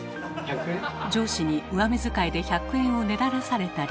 上司に上目遣いで１００円をねだらされたり。